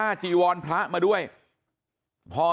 แล้วทีนี้พอคุยมา